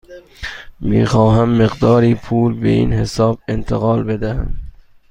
می خواهم مقداری پول به این حساب انتقال بدهم.